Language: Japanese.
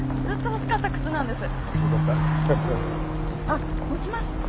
ずっと欲しかった靴なんです。